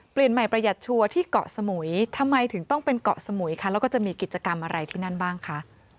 เปลี่ยนใหม่ประหยัดชัวร์ที่เกาะสมุยทำไมถึงต้องเป็นเกาะสมุยค่ะแล้วก็จะมีกิจกรรมอะไรที่นั่นบ้างคะ